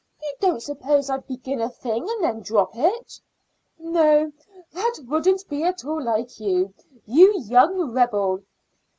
You don't suppose I'd begin a thing and then drop it?" "No; that wouldn't be at all like you, you young rebel.".